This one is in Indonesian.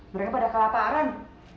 mereka pada kelaparan